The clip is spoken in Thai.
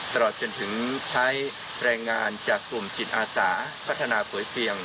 ตลอดจนถึงใช้แรงงานจากกลุ่มจิตอาสาพัฒนาป่วยเพียง